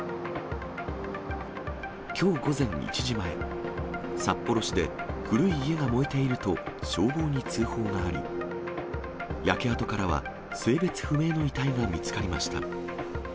きょう午前１時前、札幌市で古い家が燃えていると、消防に通報があり、焼け跡からは、性別不明の遺体が見つかりました。